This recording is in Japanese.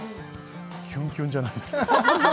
キュンキュンじゃないですか？